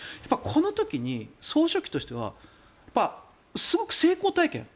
この時に総書記としてはすごく成功体験